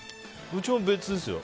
うちも別ですよ。